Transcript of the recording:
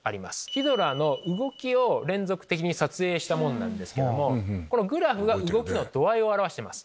ヒドラの動きを連続的に撮影したものなんですけどもグラフが動きの度合いを表しています。